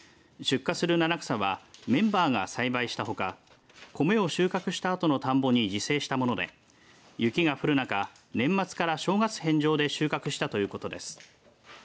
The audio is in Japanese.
出荷する七草はメンバーが栽培したほか米を収穫したあとの田んぼに自生したもので雪が降る中年末から正月返上で収穫したということです。